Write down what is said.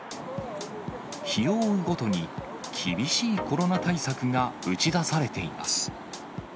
日を追うごとに、厳しいコロナ対策が打ち出されています。